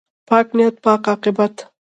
پاک نیت، پاک عاقبت.